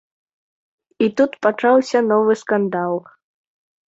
І тут пачаўся новы скандал.